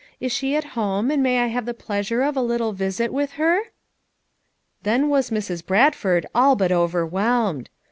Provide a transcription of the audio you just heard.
Is she at home, and may I have the pleasure of a little visit with her?" Then was Mrs. Bradford all but overwhelmed.